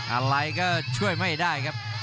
อะไรก็ช่วยไม่ได้ครับ